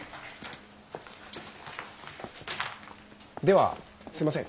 ではすいません